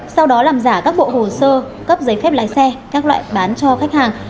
sau đó làm giả các bộ hồ sơ cấp giấy phép lái xe các loại bán cho khách hàng